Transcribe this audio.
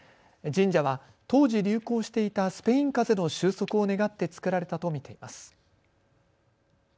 神社は当時、流行していたスペインかぜの収束を願って作られたと見ています。